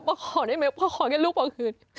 ขอได้ไหมพ่อขอแค่ลูกพอคืน